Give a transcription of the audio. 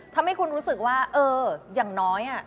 ทำให้คุณรู้สึกว่าเอออย่างน้อย